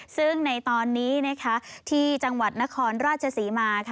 ซึ่งในตอนนี้ที่จังหวัดนครราชศรีมา